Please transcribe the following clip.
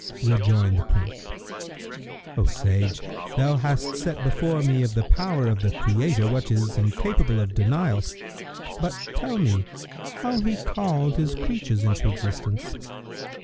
Rejoined the Prince, "O sage, thou hast set before me of the power of the Creator what is incapable of denial; but tell me how He called His creatures into existence."